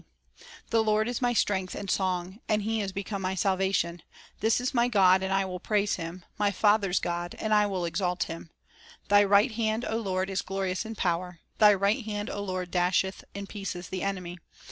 At the The Lord is my strength and song, Red Sea ^nd j [ e ; s Decome mv salvation; This is my God, and I will praise Him ; My father's God, and I will exalt Him." "Thy right hand, O Lord, is glorious in power, Thy right hand, O Lord, dasheth in pieces the enemy.